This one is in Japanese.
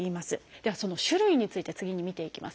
ではその種類について次に見ていきます。